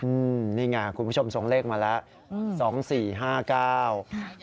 นี่ไงคุณผู้ชมส่งเลขมาแล้ว๒๔๕๙๓